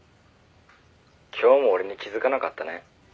「今日も俺に気づかなかったね」